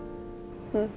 うん。